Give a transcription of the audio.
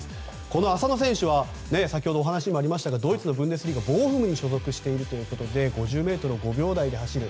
この浅野選手は先ほどお話にもありましたがドイツのブンデスリーガボーフムに所属しているということで５０ｍを５秒台で走る。